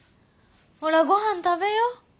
ほらごはん食べよう。